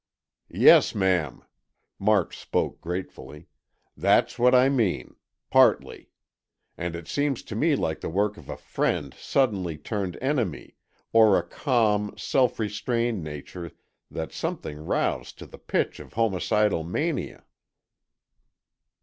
"Yes, ma'am," March spoke gratefully, "that's what I mean, partly. And it seems to me like the work of a friend suddenly turned enemy or a calm, self restrained nature that something roused to the pitch of homicidal mania."